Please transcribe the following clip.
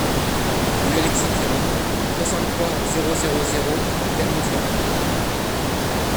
Rue Alexis Piron, soixante-trois, zéro zéro zéro Clermont-Ferrand